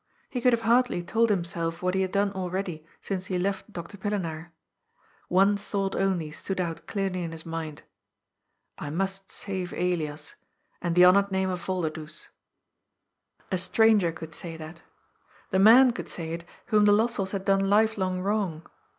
He could have hardly told himself what he had done already since he left Dr. Pillenaar. One thought only stood out clearly in his mind. ^* I must save Elias. And the hon oured name of Volderdoes." A stranger could say that. The man could say it whom the Lossells had done life long wrong.